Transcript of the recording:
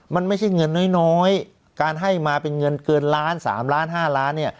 มันไม่ใช่เงินน้อยการให้มาเป็นเงินเกินล้าน๓ล้าน๕ล้านเนี่ย